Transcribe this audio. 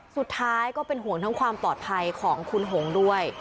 ก็เป็นห่วงทั้งความปลอดภัยของคุณหงด้วย